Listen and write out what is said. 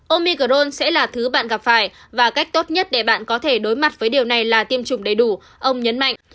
omicrone sẽ là thứ bạn gặp phải và cách tốt nhất để bạn có thể đối mặt với điều này là tiêm chủng đầy đủ ông nhấn mạnh